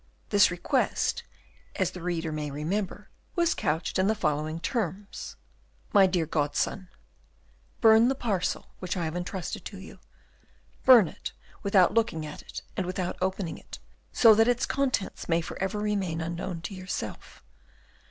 This request, as the reader may remember, was couched in the following terms: "My Dear Godson, "Burn the parcel which I have intrusted to you. Burn it without looking at it, and without opening it, so that its contents may for ever remain unknown to yourself.